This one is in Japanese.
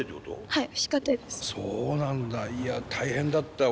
はい。